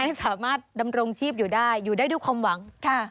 สามารถดำรงชีพอยู่ได้อยู่ได้ด้วยความหวัง